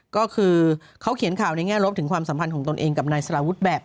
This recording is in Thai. ก็คือเขาเขียนข่าวในแง่ลบถึงความสัมพันธ์ของตนเองกับนายสารวุฒิแบบ